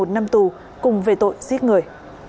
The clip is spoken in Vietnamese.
năm tù cùng về tội giết người